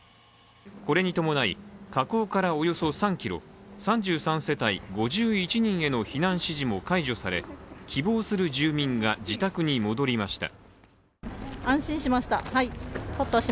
これに伴い、火口からおよそ３キロ、３３世帯５１人への避難指示も解除され、希望する住民が自宅に戻りました。